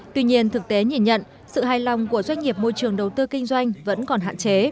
tuy nhiên thực tế nhìn nhận sự hài lòng của doanh nghiệp môi trường đầu tư kinh doanh vẫn còn hạn chế